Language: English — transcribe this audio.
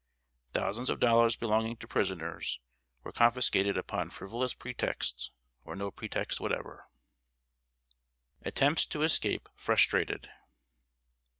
Thousands of dollars belonging to prisoners were confiscated upon frivolous pretexts, or no pretext whatever. [Sidenote: ATTEMPTS TO ESCAPE FRUSTRATED.